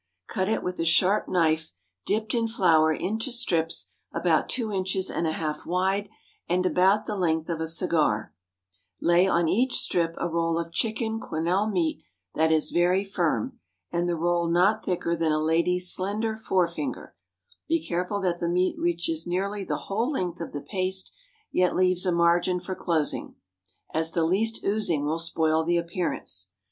Cut it with a sharp knife dipped in flour into strips about two inches and a half wide and about the length of a cigar; lay on each strip a roll of chicken quenelle meat that is very firm, and the roll not thicker than a lady's slender forefinger; be careful that the meat reaches nearly the whole length of the paste, yet leaves a margin for closing, as the least oozing will spoil the appearance.